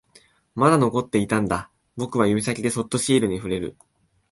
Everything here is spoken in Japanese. まだ残っていたんだ、僕は指先でそっとシールに触れる